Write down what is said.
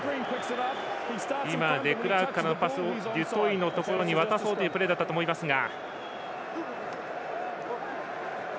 今、デクラークからのパスをデュトイのところに渡そうというプレーだったと思いますが。